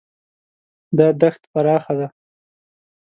دا دښت پراخه ده.